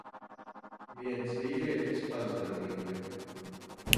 Viens vīrietis pazvanīja.